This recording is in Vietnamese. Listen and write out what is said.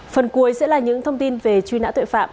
phần cuối sẽ là những thông tin về truy nã tội phạm